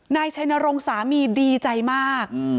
นายชัยนรงค์สามีดีใจมาก